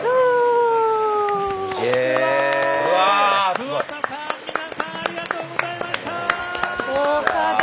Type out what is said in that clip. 桑田さん、皆さんありがとうございました！